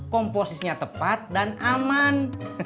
komposisnya tepat dan aman